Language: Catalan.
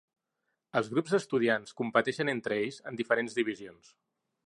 Els grups d'estudiants competeixen entre ells en diferents divisions.